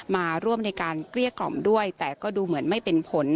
มาร่วมในการเกลี้ยกล่อมด้วยแต่ก็ดูเหมือนไม่เป็นผล